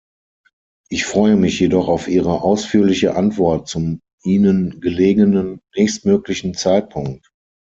Ich freue mich jedoch auf Ihre ausführliche Antwort zum Ihnen gelegenen nächstmöglichen Zeitpunkt.